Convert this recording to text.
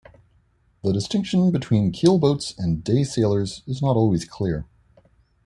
The distinction between keelboats and day sailers is not always clear.